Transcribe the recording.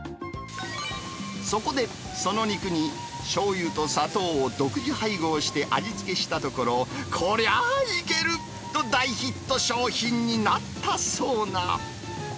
そこで、その肉にしょうゆと砂糖を独自配合して味付けしたところ、こりゃあいける！と大ヒット商品になったそうな。